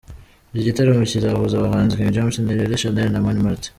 Iki gitaramo kizahuza abahanzi King James, Nirere Shanel na Mani Martin.